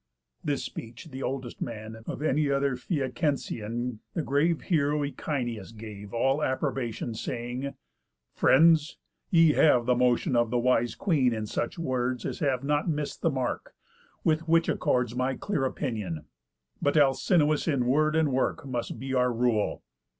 This speech, the oldest man Of any other Phæacensian, The grave heroë, Echinëus, gave All approbation, saying: "Friends! ye have The motion of the wise queen in such words As have not miss'd the mark, with which accords My clear opinion. But Alcinous, In word and work, must be our rule."